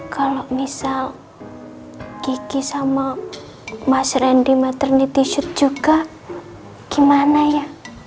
kalau misal gigi sama mas randy maternity suit juga gimana ya